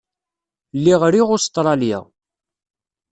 Lliɣ riɣ Ustṛalya.